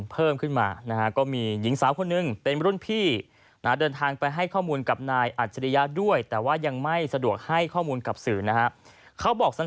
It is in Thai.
เป็นร่วมพี่อ่ะเดินทางไปให้ข้อมูลกับนายอาจริยาด้วยแต่ว่ายังไม่สะดวกให้ข้อมูลกับสื่อน่ะครับเขาบอกสั้น